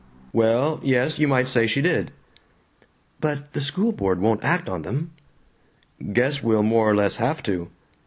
"Well, yes, you might say she did." "But the school board won't act on them?" "Guess we'll more or less have to."